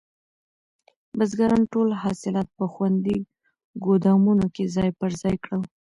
بزګرانو ټول حاصلات په خوندي ګودامونو کې ځای پر ځای کړل.